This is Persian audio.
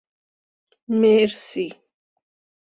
مرسی